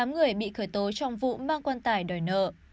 một mươi tám người bị khởi tố trong vụ mang quan tài đòi nợ